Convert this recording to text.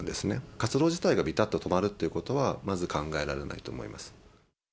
活動自体がびたっと止まるっていうことは、まず考えられないと思います。